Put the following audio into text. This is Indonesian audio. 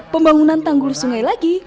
pembangunan tanggul sungai lagi